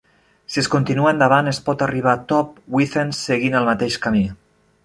Si es continua endavant, es pot arribar a Top Withens seguint el mateix camí.